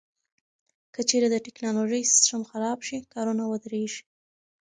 که چیرې د ټکنالوژۍ سیستم خراب شي، کارونه ودریږي.